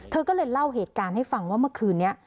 เธอก็เลยเล่าเหตุการณ์ให้ฟังว่าเมื่อคืนนี้